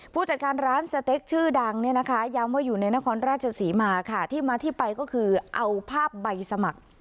ผู้จัดการร้านสเต็กชื่อดังเนี่ยนะคะย้ำว่าอยู่ในนครราชศรีมาค่ะที่มาที่ไปก็คือเอาภาพใบสมัคร